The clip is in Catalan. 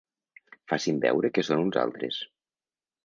Facin veure que són uns altres.